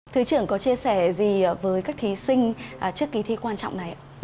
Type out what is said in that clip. thứ trưởng có chia sẻ gì với các thí sinh trước kỳ thi quan trọng này ạ